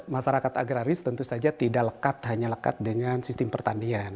masyarakat agraris tentu saja tidak lekat hanya lekat dengan sistem pertanian